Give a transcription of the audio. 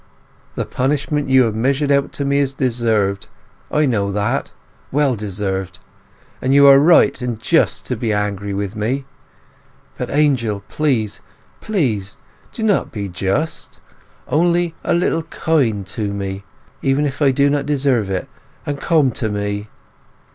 The punishment you have measured out to me is deserved—I do know that—well deserved—and you are right and just to be angry with me. But, Angel, please, please, not to be just—only a little kind to me, even if I do not deserve it, and come to me!